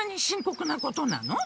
こくなことなの？